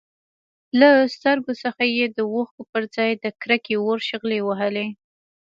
له سترګو څخه يې د اوښکو پرځای د کرکې اور شغلې وهلې.